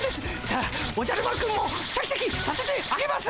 さあおじゃる丸くんもシャキシャキさせてあげます